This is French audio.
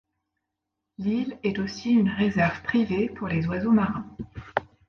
L'île est aussi une réserve privée pour les oiseaux marins.